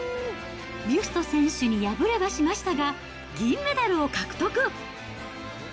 ビュスト選手に敗れはしましたが、銀メダルを獲得。